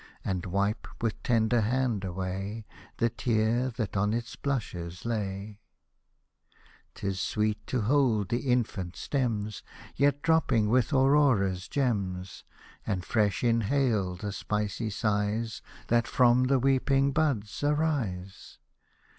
And wipe with tender hand away The tear that on its blushes lay ! 'Tis sweet to hold the infant stems, Yet dropping with Aurora's gems, And fresh inhale the spicy sighs That from the weeping buds arise.